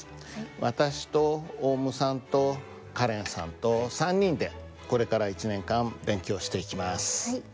私とオウムさんとカレンさんと３人でこれから１年間勉強していきます。